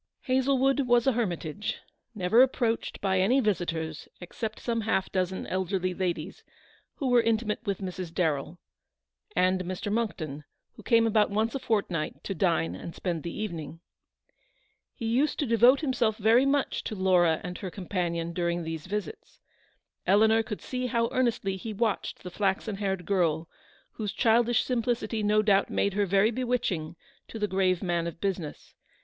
Hazlewood was a hermi tage, never approached by any visitors except some half dozen elderly ladies, who were intimate with Mrs. Darrell, and Mr. Monckton, who came about once a fortnight to dine and spend the evening. He used to devote himself very much to Laura and her companion during these visits. Eleanor could see how earnestly he watched the flaxen TOL. I. X 274 Eleanor's victory. haired girl, whose childish simplicity no doubt made her very bewitching to the grave man of business.